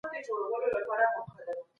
روژه نیول د روغتیا لپاره ګټور دي.